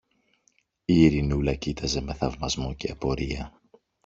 Η Ειρηνούλα κοίταζε με θαυμασμό και απορία.